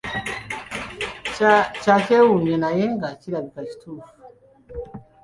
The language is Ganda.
Kya kyewunyo naye nga kirabika kituufu.